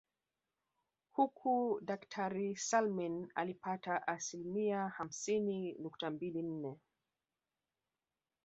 Huku daktari Salmin alipata asilimia hamsini nukta mbili nne